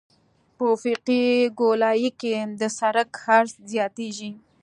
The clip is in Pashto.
په افقي ګولایي کې د سرک عرض زیاتیږي